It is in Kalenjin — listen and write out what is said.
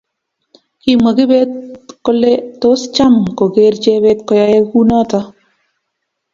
kimwa kibet kole tos Cham kongeer Chebet koyae kunoto